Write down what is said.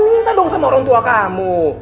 minta dong sama orang tua kamu